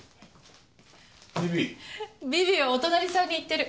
ビビはお隣さんに行ってる。